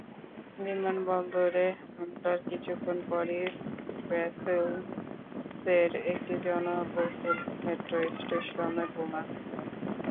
বিমানবন্দরে হামলার কিছুক্ষণ পরই ব্রাসেলসের একটি জনবহুল মেট্রো স্টেশনে বোমা হামলা হয়।